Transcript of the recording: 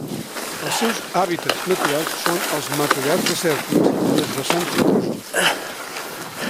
Els seus hàbitats naturals són els matollars desèrtics i els vessants rocosos.